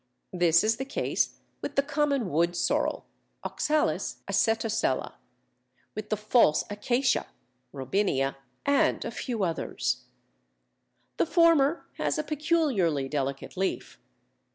This is the case with the common Woodsorrel (Oxalis acetosella), with the False Acacia (Robinia), and a few others. The former has a peculiarly delicate leaf.